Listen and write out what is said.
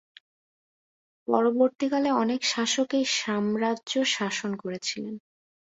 পরবর্তীকালে অনেক শাসক এই সাম্রাজ্য শাসন করেছিলেন।